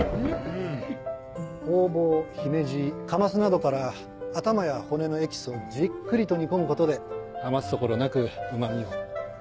ホウボウヒメジカマスなどから頭や骨のエキスをじっくりと煮込むことで余すところなくうま味を。